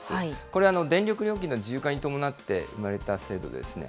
これ、電力料金の自由化に伴って生まれた制度ですね。